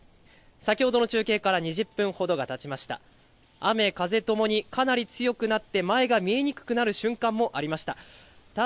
先ほどの中継から２０分ほどがたちました。